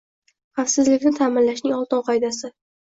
Xavfsizlikni ta’minlashning oltin qoidasi